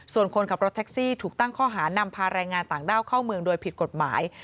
ส่วนคนขับรถแท็กซี่ถูกตั้งข้อหานำพาแรงงานต่างด้าวเข้าเมืองโดยผิดกฎหมาย